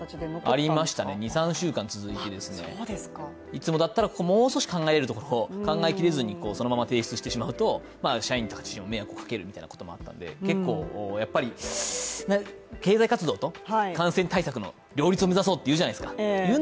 ありましたね、２３週間続いて、いつもだったらもう少し考えるところを考え切れずにそのまま提出してしまうと、社員たちにも迷惑をかけるみたいなことがあったので結構、やっぱり経済活動と感染対策の両立を目指そうというじゃないですか。